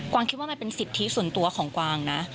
วางคิดว่ามันเป็นสิทธิส่วนตัวของกวางนะ